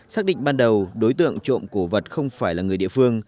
xác định ban đầu đối tượng trộm cổ vật không phải là người địa phương